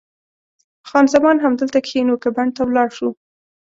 خان زمان: همدلته کښېنو که بڼ ته ولاړ شو؟